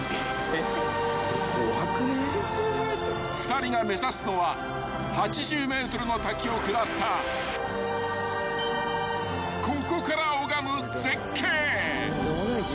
［２人が目指すのは８０ｍの滝を下ったここから拝む絶景］